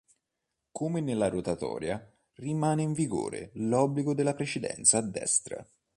Come nella rotatoria, rimane in vigore l'obbligo della precedenza a destra.